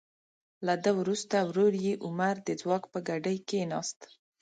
له ده وروسته ورور یې عمر د ځواک په ګدۍ کیناست.